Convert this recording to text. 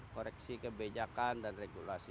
koreksi kebijakan dan regulasi